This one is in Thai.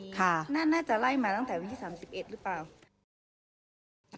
น่าจะไล่มาตั้งแต่วิธีสามสิบเอ็ดหรือเปล่า